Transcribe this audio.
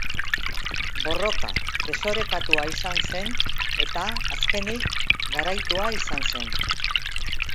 Borroka desorekatua izan zen eta azkenik garaitua izan zen.